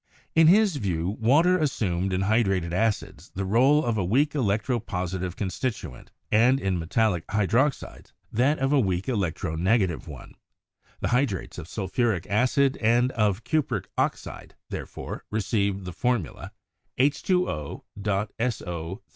In his view water assumed in hydrated acids the role of a weak electro positive constituent, and in metallic hydroxides that of a 212 CHEMISTRY weak electro negative one; the hydrates of sulphuric acid and of cupric oxide, therefore, received the formulae —+■+ H 2 O.